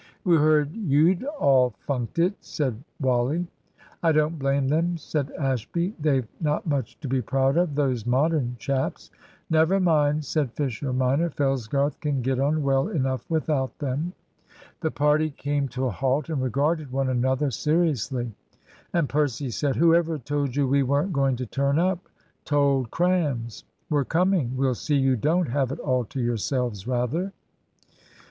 "We heard you'd all funked it," said Wally. "I don't blame them," said Ashby; "they've not much to be proud of, those Modern chaps." "Never mind," said Fisher minor, "Fellsgarth can get on well enough without them." The party came to a halt and regarded one another seriously, and Percy said "Whoever told you we weren't going to turn up, told crams. We're coming. We'll see you don't have it all to yourselves, rather!"